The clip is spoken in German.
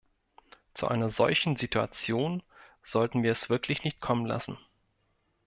Zu einer solchen Situation sollten wir es wirklich nicht kommen lassen.